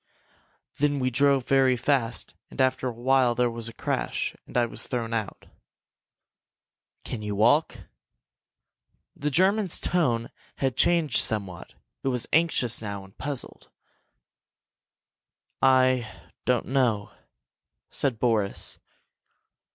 Then we drove very fast and after a while there was a crash, and I was thrown out." "Can you walk?" The German's tone had changed somewhat. It was anxious now, and puzzled. "I don't know," said Boris.